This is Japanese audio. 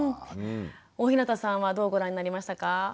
大日向さんはどうご覧になりましたか？